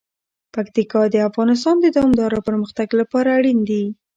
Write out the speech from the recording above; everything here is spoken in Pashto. پکتیکا د افغانستان د دوامداره پرمختګ لپاره اړین دي.